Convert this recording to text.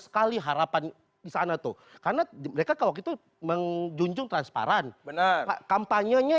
sekali harapan asal natto karena dibedak kalau gitu mengjunjung transparan benar kampanye nya